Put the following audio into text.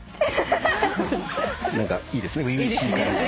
何かいいですね初々しい感じ。